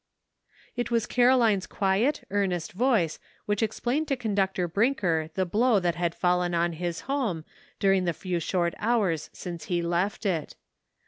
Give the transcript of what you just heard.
It was Caroline's quiet, earnest voice which explained to Conductor Brinker the blow that had fallen on his home during the few short hours since he left it.